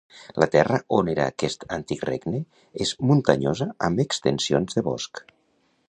La terra on era aquest antic regne és muntanyosa amb extensions de bosc.